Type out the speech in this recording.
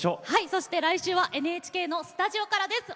そして来週はＮＨＫのスタジオからです！